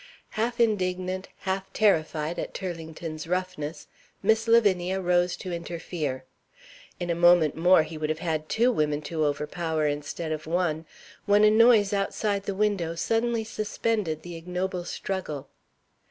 Half indignant, half terrified, at Turlington's roughness, Miss Lavinia rose to interfere. In a moment more he would have had two women to overpower instead of one, when a noise outside the window suddenly suspended the ignoble struggle.